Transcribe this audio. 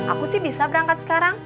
aku sih bisa berangkat sekarang